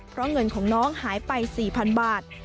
เพราะเงินของน้องหายไป๔๐๐๐บาท